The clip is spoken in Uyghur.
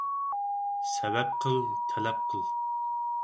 سەۋەب قىل، تەلەپ قىل.